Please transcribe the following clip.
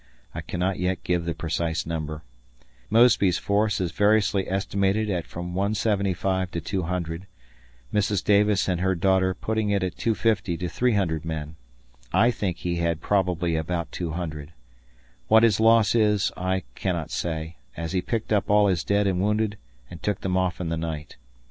I cannot yet give the precise number. Mosby's force is variously estimated at from 175 to 200, Mrs. Davis and her daughter putting it at 250 to 300 men. I think he had probably about 200. What his loss is I cannot say, as he picked up all his dead and wounded and took them off in the night.